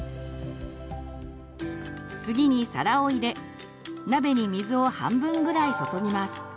次に皿を入れ鍋に水を半分ぐらい注ぎます。